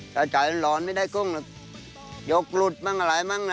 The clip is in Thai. ถ้าได้ร้อนไม่ได้กุ้งหรือยกหลุดมั่นอะไร